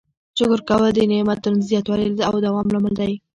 شکر کول د نعمتونو د زیاتوالي او دوام لامل دی.